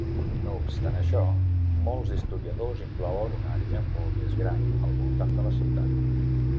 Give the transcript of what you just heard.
No obstant això, molts historiadors inclouen un àrea molt més gran al voltant de la ciutat.